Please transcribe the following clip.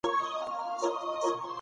انسان تل د ژوند په اړه پلټنه کوي.